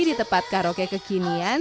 di tempat karaoke kekinian